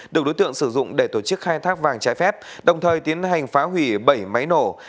được đối tượng sử dụng để tổ chức khai thác vàng trái phép đồng thời tiến hành phá hủy bảy máy nổ